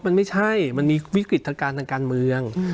มันไม่ใช่มันมีวิกฤตทางการทางการเมือง